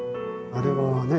あれはね